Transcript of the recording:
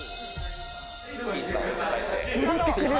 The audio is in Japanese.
戻ってくる？